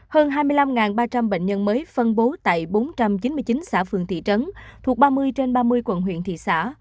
hơn hai mươi năm ba trăm linh bệnh nhân mới phân bố tại bốn trăm chín mươi chín xã phường thị trấn thuộc ba mươi trên ba mươi quận huyện thị xã